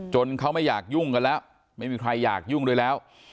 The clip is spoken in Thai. เขาไม่อยากยุ่งกันแล้วไม่มีใครอยากยุ่งด้วยแล้ว